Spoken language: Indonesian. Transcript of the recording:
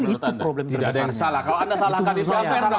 saya pikir itu problem terbesarnya